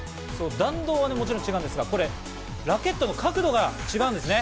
弾道はもちろん違うんですが、ラケットの角度が違うんですね。